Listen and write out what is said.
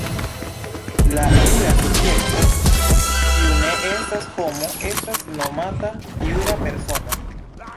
La jura subjekto, kiu ne estas homo, estas nomata jura persono.